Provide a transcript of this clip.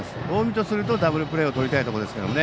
近江とするとダブルプレーをとりたいところです。